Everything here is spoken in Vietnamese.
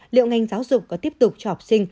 liệu ngành giáo dục có tiếp tục cho học sinh